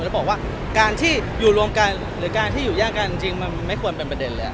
แต่การที่อยู่รวมกันหรืออยู่ยากจังจริงไม่ควรเป็นประเด็นเลย